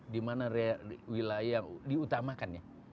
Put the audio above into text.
di mana wilayah diutamakannya